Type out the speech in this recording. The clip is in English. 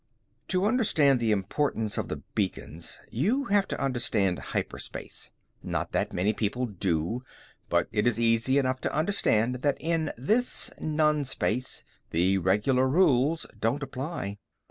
To understand the importance of the beacons, you have to understand hyperspace. Not that many people do, but it is easy enough to understand that in this non space the regular rules don't apply.